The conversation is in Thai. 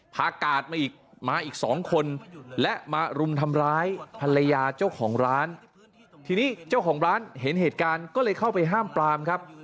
กาดมาอีกมาอีกสองคนและมารุมทำร้ายภรรยาเจ้าของร้านทีนี้เจ้าของร้านเห็นเหตุการณ์ก็เลยเข้าไปห้ามปรามครับ